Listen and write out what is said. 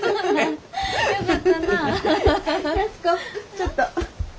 ちょっと。